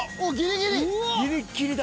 ギリギリだ。